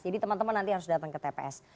jadi teman teman nanti harus datang ke tps